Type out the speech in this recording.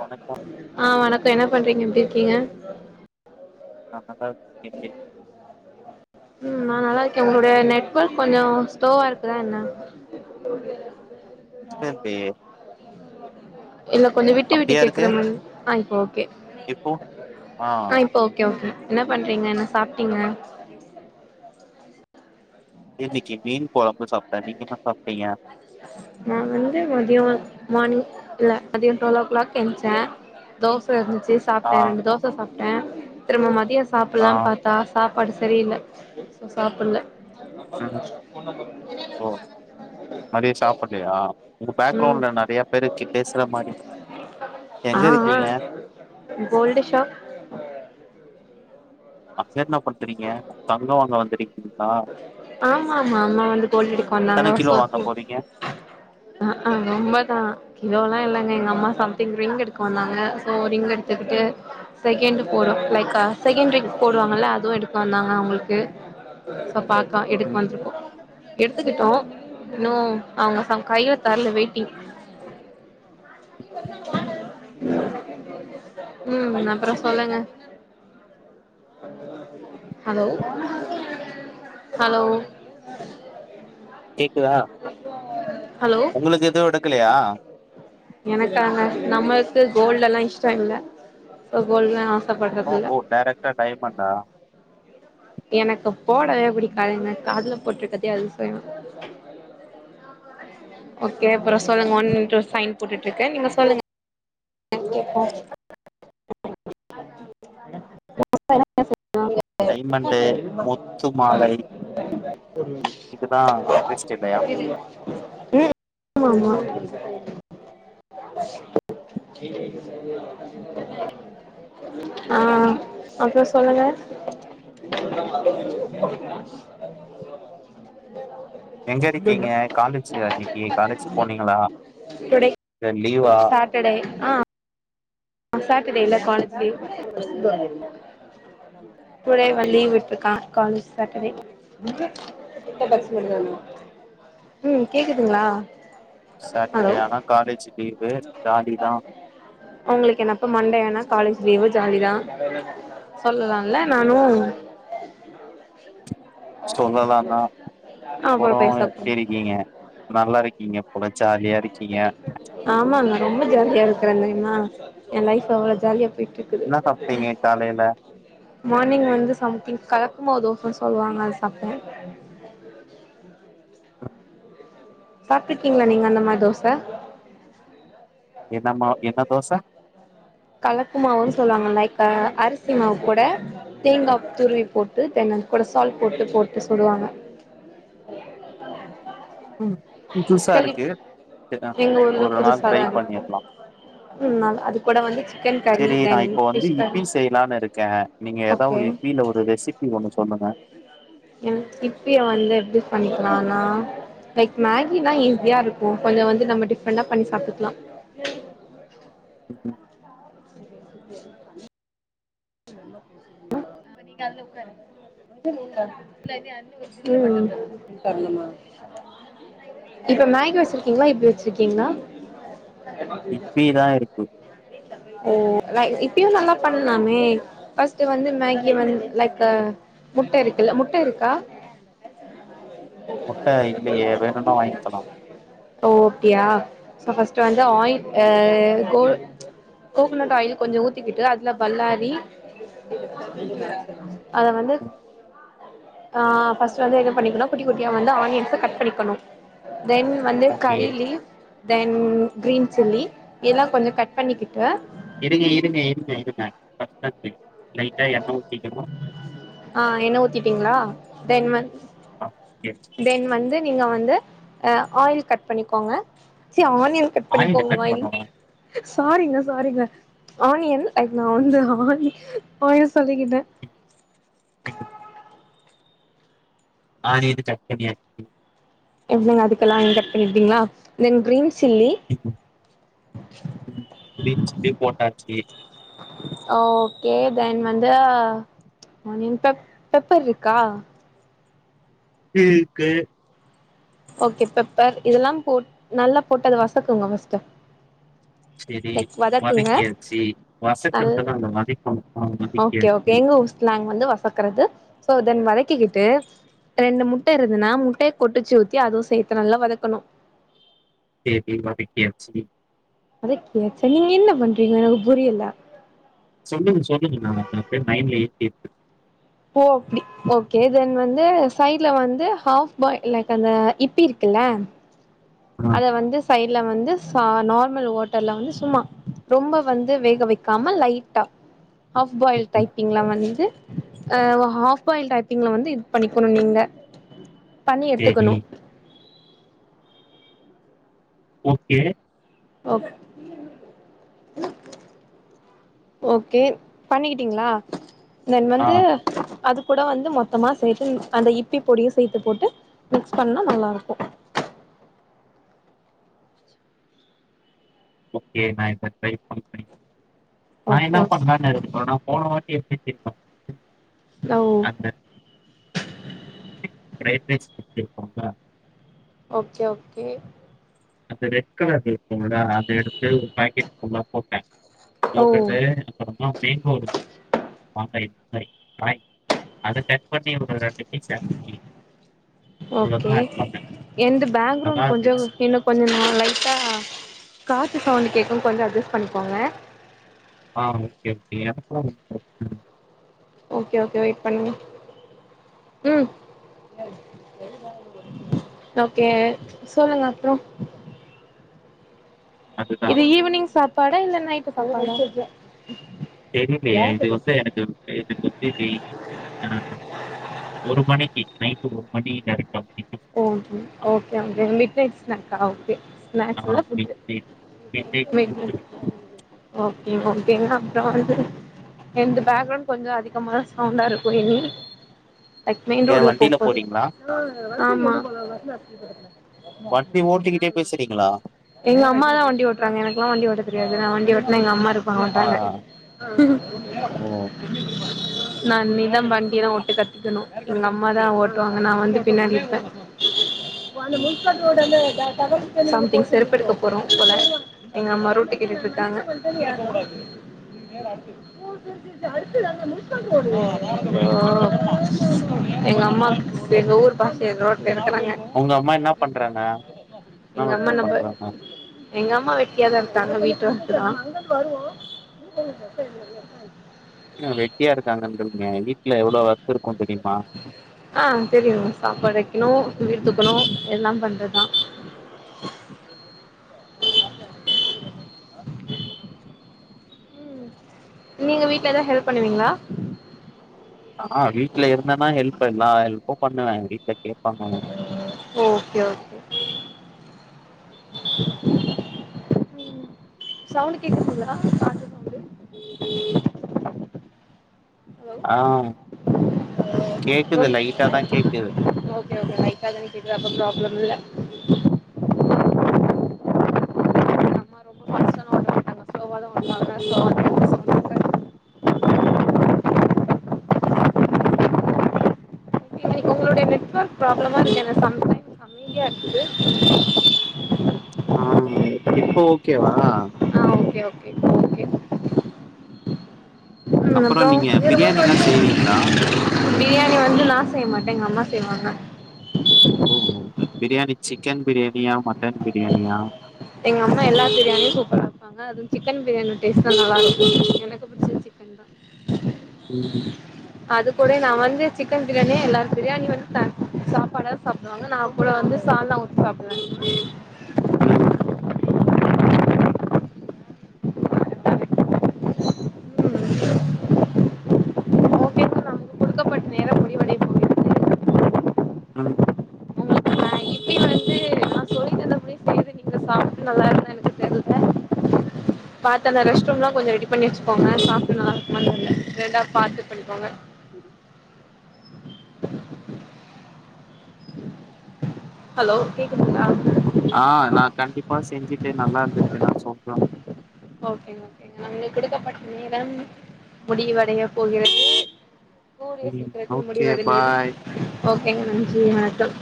வணக்கம் ஆ வணக்க என்ன பண்றீங்க எப்டி இருக்கீங்க [inaudible] ம் நா நல்லா இருக்க உங்களுடைய நெட்வர்க் கொஞ்ச ஸ்லோவா இருக்குதா என்ன போக [unintelligible] [unintelligible] இல்ல கொஞ்ச விட்டு விட்டு அப்டியா இருக்கு கேக்குற மாரி ஆ இப்ப ஓகே இப்போ ஆ இப் ப ஓகே ஓகே என்ன பண்றீங்க என்ன சாப்ட்டீங்க இன்னைக்கு மீன் கொழம்பு சாப்ட்ட நீங்க என்ன சாப்ட்டீங்க நா வந்து மதியோ மானிங் இல்ல மதிய டுவெல் ஓ கிளாக் எந்த்ச்ச தோச இருந்துச்சி ஆ சாப்ட்ட ரெண்டு தோச சாப்ட்ட திரும்ப மதிய ஆ சாப்புல்லா பாத்தா சாப்பாடு செரியில்ல ஸோ சாப்புல்ல ம் ம் ஒ மதிய சாப்புட்லையா உங்க ம் பேக்ரவுண்ட்ல நெறைய பேரு கிட்ட பேசுற மாரி இரு எங்க ஆ ஆ இருக்கீங்க கோல்டு ஷாப் அங்க என்னா பண்றீங்க தங்கம் வாங்க வந்துருங்க்கீங்ளா ஆமா ஆமா அம்மா வந்து கோல்ட் எடுக்க வந்தாங்க எத்தன கிலோ சோ வாங்க போறீங்க ஆ ஹா ரொம்ப தா கிலோ எல்லா இல்லங்க எங்க அம்மா சம்திங் ரிங் எடுக்க வந்தாங்க சோ ரிங் எடுத்துக்கிட்டு செகண்ட் போடு லைக் அ செகண்ட்ரிக் போடு வாங்கல்ல அதுவு எடுக்க வந்தாங்க அவுங்களுக்கு சோ பாக்கா எடுக்க ம் வந்துருப்போ எடுத்துக்கிட்டோ இன்னு அவுங்க ப கையில தரல வெயிட்டிங் ம் அப்புற சொல்லுங்க ஹலோ ஹலோ கேக்குதா ஹலோ உங்களுக்கு எதுவு எடுக்கலையா எனக்காங்க நம்மள்க்கு கோல்டு எல்லா இஷ்ட இல்ல கோல்டு அப்புற ஓ டைரக்டா டைம் என்னா எனக்கு போடவே புடிக்காதுங்க காதுல போட்டுருக்கதே அதிசயந்தா ஓகே அப்புற சொல்லுங்க ஒன்னுட்டு சைன் போட்டுட்ருக்கே நீங்க சொல்லுங்க இங்கேயே காஸ்ட் டைமண்டு முத்து மாலை [inaudible] இதுதா இன்ட்ரெஸ்ட் இல்லையா [unintelligible] [inaudible] ஆ அப்புறோ சொல்லுங்க [inaudible] [inaudible] எங்க இருக்கீங்க காலேஜ் யா இன்னைக்கி காலேஜ் போனீங்களா இல்ல லீவா கெடை ஆ ஆ சாட்டர்டே இல்ல காலேஜ் லீவ் டுடே வ லீவ் விட்ருக்காங் காலேஜ் சாட்டர்டே ம் கேக்குதுங்களா சாட்டர்டே ஹலோ ஆனா காலேஜ் லீவு ஜாலி தா உங்களுக்கு என்னப்ப மண்டே ஆனா காலேஜ் லீவு ஜாலி தா சொல்லால்ல நானு சொல்லலாந்தா அப்புற பேசாக்கு இக்கீங்க நல்லா இருக்கீங்க போல ஜாலியா இருக்கீங்க ஆமாங் ரொம்ப ஜாலியா இருக்கிறே தெரிம்மா எ லைஃப்பு அவ்ளோ ஜாலியா போயிட்ருக் ன்னா சாப்ட்டீங்க காலைல மார்னிங் வந்து சம்திங் கலக்குமாவு தோசன் சொல்வாங்க அத சாப்ட்டே சாப்ட்டுகீங்களா நீங்க அந்த மார் தோச என்ன மா என்ன தோச கலப்பு மாவுன் சொல்வாங்க லைக் அ அரிசி மாவு கூட தேங்கா துருவி போட்டு தேங்க கூட சால்ட் போட்டு போட்டு சுடுவாங்க [inaudible] ம் புதுசா கேள்வி இருக்கு எங்க ஊர்ல ஒரு நாள் ட்ரை புதுசாதா இருக்கு பண்ணிர்லா ம் நல் அது கூட வந்து சிக்கன் கறி செரி நா தென் இப்ப வந்து ஃபிஷ் இபி கறி செய்லான்னு இருக்கே நீங்க எதாவது ஓகே ஒரு இப்பில ஒரு ரெசிபி ஒண்ணு சொல்லுங்க எனக் இப்பிய வந்து எப்டி பண்ணிக்கலான்னா லைக் மேகில்லா ஈஸியா இருக்கு கொஞ்ச வந்து நம்ம டிப்ரண்டா பண்ணி சாப்ட்டுக்லா ம், [inaudible] [unintelligible] [unintelligible] இப்ப மேகி வச்சிருக்கீங்களா இப்பி வச்சிருக்கீங்களா இட்லி தா இருக்கு ஓ அ இப்பியு நல்லா பண்ணலாமே டு வந்து மேகி வந் லைக் அ முட்ட இருக்குல்ல முட்ட இருக்கா முட்ட இல்லையே வேணுன்னா வாங் ச்சலா ஓ அப்டியா ச ஃபர்ஸ்ட்டு வந்து ஆயில் ஆ கோ கோகனட் ஆயில் கொஞ்ச ஊத்திக்கிட்டு அதுல பல்லாரி அத வந்து ஆ பஸ்டு வந்து என்ன பண்ணிக்குனு குட்டி குட்டியா வந்து ஆனியன் கட் பண்ணிக்கனு தென் வந்து okay curry leave then green chilli இதெல்லா கொஞ்ச கட் பண்ணிக்கிட்டு இருங்க இருங்க இருங்க இருங்க பஸ்ட் கொஸ்டின் லைட்டா எண்ண ஊத்திக்கனு ஆ என்ன ஊத்திட்டீங்களா தென் வந் தென் வந்து நீங்க வந்து அ ஆயில் கட் பண்ணிக்கோங்க இச்சி ஆனியன் கட் ஆனியன பண்ணிக்கோங்க கட் வாய் பண்ணணும் சாரிங்க சாரிங்க ஆனியன் லைக் நா வந்து ஆய் ஆயில் சொல்லிக்கிட்டே [unintelligible] ஆனியனு கட் பண்ணியாச்சு வெங்காயோ அதுக்கெல்லா நீங் கட் பண்ணீட்டீங்களா then green chilli [inaudible] green chilli போட்டாச்சி ஆ ஓகே தென் வந்து அ ஆனியன் பெப் பெப்பர் ருக்கா இருக்கு ஓகே பெப்பர் இதெல்லாம் போட் நல்லா போட்டு அது வசக்குங்க ஃபஸ்டு செரி வதக்கியாச்சு நல் வசக்குறதுலா இல்ல வதைக்கனு ஆ ஓகே ஓகே வதக்கியாச்சு எங்க ஊர் ஸ்லாங் வந்து வசக் சக்கறது சோ தென் வதக்கிக்கிட்டு ரெண்டு முட்ட இருந்துன்னா முட்டைய கொட்டுச்சு ஊ த்தி அதுவு சேத்து நல்லா வதக்கணு சேத்தி வதக்கியாச்சி வதக்கியாச்சா நீங்க என்ன பண்றீங்க எனக்கு புரியல சொல்லுங்க சொல்லுங்க நா அத அப்டே மைண்ட்ல ஏத்திட்டு ஓ அப்டி ஓகே தென் வந்து சைடுல வந்து ஹாஃப் பாய் லைக் அந்த இப்பி இருக்குல்ல இருக்கேன். அத வந்து சைட்ல வந்து சா நார்மல் வாட் டர்ல வந்து சும்மா ரொம்ப வந்து வேக வைக்காம லைட்டா ஹாஃப் பாயில் டைப்பிங்ல வந்து அ வ ஹாஃப் பாயில் டைப்பிங்ல வந்து இது பண்ணிக்கணு நீங்க பண்ணி சரி எடுத்துக்கணு ஓகே ஓக் ஓகே பண்ணிக்கிட்டீங்ளா தென் ஆ வந்து அது கூட வந்து மொத்தமா சேத்து அந்த இப்பி பொடியு சேத்து போட்டு மிக்ஸ் பண்ணா நல்லாருக்கு ஓகே நா இத ட்ரை பண்றே நா ஓகே என்ன ஓகே பண்ணலான் இருக்கோனு போன வாட்டி எப் [inaudible] லோ பிரரைட்ரைஸ் [inaudible] ஓகே ஓகே அது ரெட் கலர் இருக்கும்ல அத எடுத்து பாக்கெட் ஃபுல்லா போட்ட ஓ போட்டுட்டு [unintelligible] அடுத்த பட் [unintelligible] ஓகே எந்து பேக்ரௌண்ட் நல்லா கொஞ்சொ இருந்துச்சு. இன்னு கொஞ்சொ நா லைட்டா காத்து சவுண்டு கேக்கு கொஞ்சொ அட்ஜஸ் பண்ணிக்கோங்க ஆ okay okay [unintelligible] okay okay wait பண்ணுங்க ம் ஓகே சொல்லுங்க அப்றோ அதுதான். இது ஈவ்னிங் சாப்பாடா இல்ல நைட்டு சாப்பாடா தெரிலையே இது வந்து எனக்கு [inaudible] ஆ ஒரு மணிக்கு நைட்டு ஒரு மணி [inaudible] okay okay okay midnight ஸ்நாக்கா ஓகே ஆ ஸ்நாக்ஸ் இல்ல மிட் புட்டு நைட் மிட் நைட் மிட்நை கூப்டு ஓகே ஓகேங்க அப்றோ வந்து எந்து பேக்ரவுண்ட் கொஞ்சோ அதிகமா சவுண்டா இருக்கு இனி லைக் மெயின் ஏன் ரோடுல போ வண்டியில போது போறீங்களா? ஆமா வண்டி ஓட்டிக்கிட்டே பேசுறீங்களா? எங்க அம்மா தா வண்டி ஓட்டறாங்க எனக்குலா வண்டிஓட்ட தெரியாது நா வண்டிஓட்னா எங்க அம்மா இருக் ப்ப ஆ மாட்டாங்க ம் ம் [inaudible] நா இனிதா வண்டியெல்லா ஓட்ட கத்துகுணு எங்க அம்மா தா ஓட்வாங்க நா வந்து பின்னாடி ப்ப ம், சம்திங் செருபெடுக்க போறோ போல எங்க அம்மா ரூட்டு கேட்டுட்ருக்காங்க ம். [inaudible] அ எங்க அம்மா எங்க ஊர் பாஷ் ஏ ரோட்ல நீக்கிறாங்க உங்க அம்மா என்னா பண்றாங்க என்னா எங்க அம்மா ஒர்க் நம்ம பண்றாங்க எங்க அம்மா வெட்டியாதா இருக்காங்க வீட் ஓர்க்தா என்ன வெட்டியா இருக்காங்கன்றீங்க வீட்ல எவ்ளோ வொர்க் இருக்கு தெரியுமா ஆ தெரியு சாப்பாடு வெக்குணு வீடு தூக்குணு எல்லா பண்றதுதா நீங்க வீட்ல எதா ஹெல்ப் பண்வீங்ளா ஆ வீட்ல இருந்தனா ஹெல்ப் எல்லா ஹெல்ப்பு பண்ணுவே வீட்ல கேப்பாங்க ஓகே ஓ [unintelligible] சவுண்டு கேக்துங்களா பாட்டு சவுண்டு ஹலோ ஆம் கேக்குது ரொம் லைட்டா தா கேக்குது ஓகே ஓகே லைட்டா தான கேக்குது அப்ப ப்ராப்ளம் இல்ல எங்க அம்மா ரொம்ப ஃபாஸ்ட்டால்லா ஓட்ட மாட்டாங்க ஸ்லோவா தா ஓட்வாங்க ஸ்லோவா தா ஓகே எனக்கு உங்களுடைய நெட்வர்க் ப்ராப்ளமா இருக்கு என்ன சம்டைம்ஸ் அமைதியா இருக்குது ஆ இப்ப ஓகேவா ஆ ஓகே ஓகே ஓகே ம் ம் அப்றோ பிரியாணிலா செய்வீங்களா பிரியாணி வந்து நா செய்ய மாட்டே எங்க அம்மா செய்வாங்க ஓ ஓ பிரியாணி சிக்கன் பிரியாணியா மட்டன் பிரியாணியா எங்க அம்மா எல்லா பிரியாணியு சூப்பரா வப்பாங்க ஆ அது சிக்கன் பிரியாணி டேஸ்ட் தா நல்லா இருக்கு எனக்கு புடிச்சது சிக்கன் தா ம் ம் அது கூட நா வந்து சிக்கன் பிரியாணி எல்லார் பிரியாணி வந்து சாப்பாட சாப் புடுவாங்க நா அப்புற வந்து சால்னா ஊத்தி சாப்பிடுவ ம் குடுக்கபட்ட நேர முடிவடைந் ம் எ கிட்டி வந்து என்னா சொல் இந்த சாப்ட்டு நல்லா இருந்தா எனக்கு தெர்ல பாத்து அந்த ரெஸ்ட் ரூம்ல்லா கொஞ்சோ ரெடி பண்ணி வச்சுக்கோங்க சாப்ட்டு நல்லாருக்குமானு தெர்ல ரெண்டா பாத்து பண்ணிகோங்க ஹலோ கேக்குதுங்ளா ஆ நா கண்டிப்பா செஞ்சிட்டு நல்லா இருந்துசுன்னா சொல்ற ஓகேங்க ஓகேங்க உங்களு கொடுக்கப்பட்ட நேரம் முடிவடைய போகிறது கூடிய ம் சீக்கிரத்தில் ஓகே முடிவடைந்துவிடும் பாய் ஓகேங்க நன்றி வணக்கம்